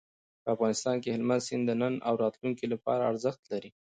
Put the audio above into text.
په افغانستان کې هلمند سیند د نن او راتلونکي لپاره ارزښت لري.